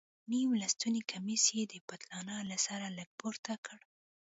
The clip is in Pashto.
نيم لستوڼى کميس يې د پتلانه له سره لږ پورته کړ.